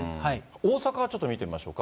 大阪はちょっと見てみましょうか。